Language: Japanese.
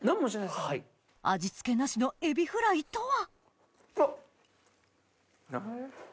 味付けなしのエビフライとは？